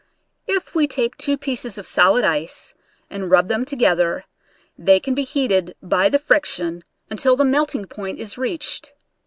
If we take two pieces of solid ice and rub them together, they can be heated by the friction until the melting point is reached.